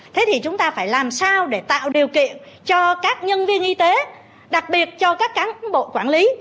thế thì chúng ta phải làm sao để tạo điều kiện cho các nhân viên y tế đặc biệt cho các cán bộ quản lý